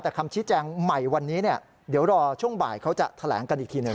แต่คำชี้แจงใหม่วันนี้เนี่ยเดี๋ยวรอช่วงบ่ายเขาจะแถลงกันอีกทีหนึ่ง